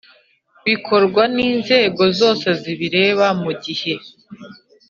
Bikorwa n inzego zose bireba mu gihe